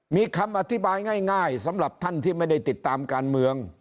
มีคำอธิบายง่ายสำหรับท่านที่ไม่ได้ติดตามการเมือง